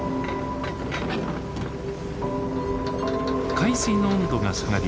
海水の温度が下がり